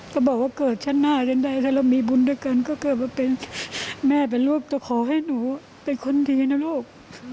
ก็บอกว่าเกิดชั้นหน้าฉันใดถ้าเรามีบุญด้วยกันก็เกิดมาเป็นแม่เป็นลูกจะขอให้หนูเป็นคนดีนะลูก